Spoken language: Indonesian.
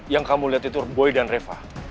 yang kamu liat itu bu dan reva